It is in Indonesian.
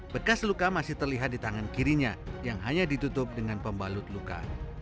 bekas luka masih terlihat di tangan kirinya yang hanya ditutup dengan pembalut luka